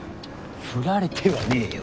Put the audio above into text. フラれてはねえよ